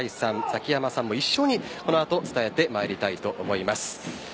ザキヤマさんも一緒にこの後伝えてまいりたいと思います。